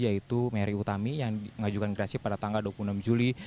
yaitu mary utami yang diajukan grasi pada tanggal dua puluh enam juli